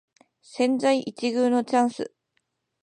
千載一遇のチャンス